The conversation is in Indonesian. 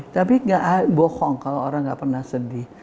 tapi bohong kalo orang ga pernah sedih